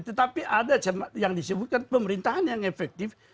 tetapi ada yang disebutkan pemerintahan yang efektif